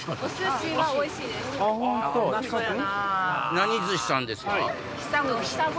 何寿司さんですか？